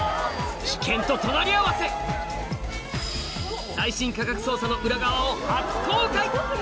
危険と隣り合わせ最新科学捜査の裏側を初公開！